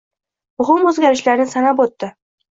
Muhim o‘zgarishlarni sanab o‘tdi.